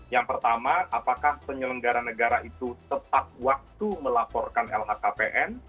yang pertama apakah penyelenggara negara itu tepat waktu melaporkan lhkpn